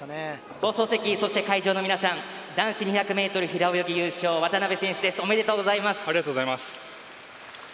放送席、会場の皆さん男子２００ｍ平泳ぎ優勝の渡辺選手ですおめでとうございます。